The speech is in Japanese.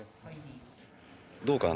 どうかな？